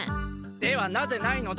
ではなぜないのだ？